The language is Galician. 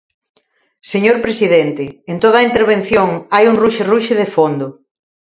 Señor presidente, en toda a intervención hai un ruxerruxe de fondo.